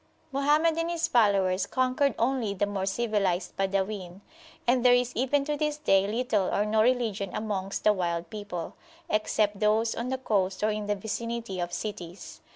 Mohammed and his followers conquered only the more civilised Badawin; and there is even to this day little or no religion amongst the wild people, except those on the coast or in the vicinity of cities.